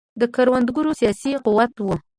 د کروندګرو سیاسي قوت و.